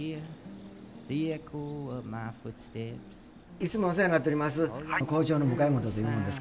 いつもお世話になっております。